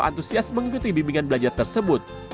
antusias mengikuti bimbingan belajar tersebut